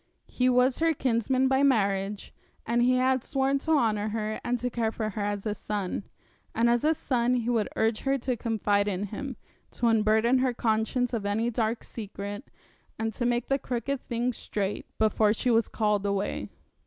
He was her kinsman by marriage, and he had sworn to honour her and to care for her as a son; and as a son he would urge her to confide in him, to unburden her conscience of any dark secret, and to make the crooked things straight, before she was called away.